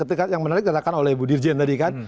ya kan yang menarik datangkan oleh ibu dirjen tadi kan